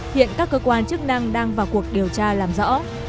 hiện các cơ quan chức năng đang vào cuộc điều tra làm rõ